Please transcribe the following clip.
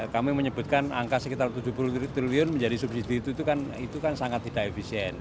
kami menyebutkan angka sekitar tujuh puluh triliun menjadi subsidi itu kan sangat tidak efisien